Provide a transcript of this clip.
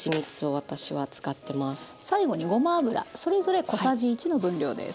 最後にごま油それぞれ小さじ１の分量です。